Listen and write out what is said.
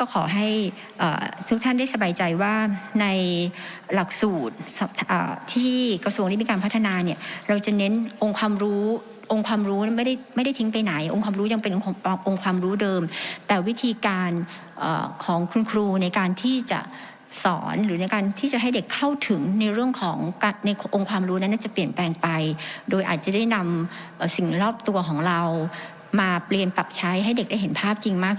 ก็ขอให้ทุกท่านได้สบายใจว่าในหลักสูตรที่กระทรวงที่มีการพัฒนาเนี่ยเราจะเน้นองค์ความรู้องค์ความรู้ไม่ได้ทิ้งไปไหนองค์ความรู้ยังเป็นองค์ความรู้เดิมแต่วิธีการของคุณครูในการที่จะสอนหรือในการที่จะให้เด็กเข้าถึงในเรื่องของในองค์ความรู้นั้นจะเปลี่ยนแปลงไปโดยอาจจะได้นำสิ่งรอบตัวของเรามาเปลี่ยนปรับใช้ให้เด็กได้เห็นภาพจริงมาก